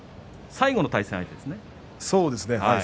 最後の対戦相手ですね。